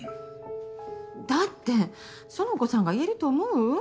だって苑子さんが言えると思う？